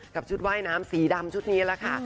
ชุดว่ายน้ำสีดำชุดนี้แหละค่ะ